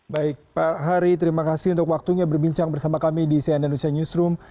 baik pak hari terima kasih untuk waktunya berbincang bersama kami di cnn indonesia newsroom